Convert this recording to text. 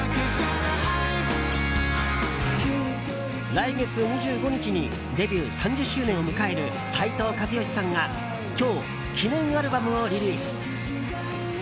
来月２５日にデビュー３０周年を迎える斉藤和義さんが今日、記念アルバムをリリース。